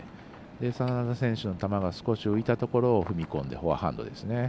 眞田選手の球が少し浮いたところを踏み込んでフォアハンドですね。